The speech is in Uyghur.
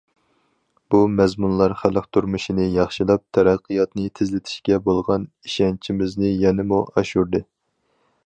بۇ مەزمۇنلار خەلق تۇرمۇشىنى ياخشىلاپ، تەرەققىياتنى تېزلىتىشكە بولغان ئىشەنچىمىزنى يەنىمۇ ئاشۇردى.